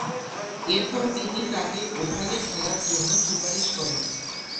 এরপর তিনি তাকে ওভালে খেলার জন্যে সুপারিশ করেন।